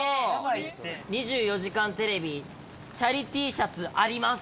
「２４時間テレビチャリＴシャツあります！」。